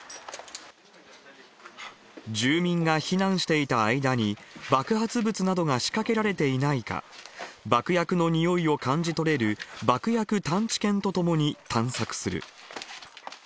住民が避難していた間に、爆発物などが仕掛けられていないか、爆薬の臭いを感じ取れる爆薬探知犬とともに探索する。